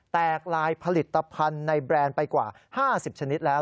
แตกลายผลิตภัณฑ์ในแบรนด์ไปกว่า๕๐ชนิดแล้ว